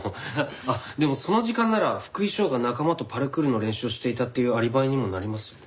あっでもその時間なら福井翔が仲間とパルクールの練習をしていたっていうアリバイにもなりますよね？